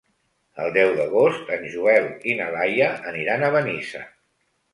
El deu d'agost en Joel i na Laia aniran a Benissa.